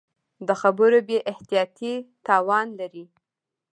د خبرو بې احتیاطي تاوان لري